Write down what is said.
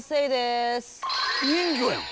人魚やん！